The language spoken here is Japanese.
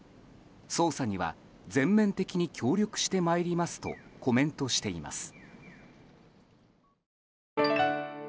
捜査には全面的に協力してまいりますとコメントしています。